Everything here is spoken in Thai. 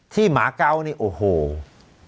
ที่มะเก้าทำไปทุกสิ่ง